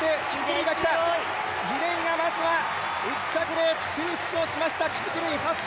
ギデイがまずは１着でフィニッシュしました。